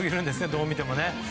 どう見てもね。